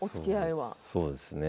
そうですね。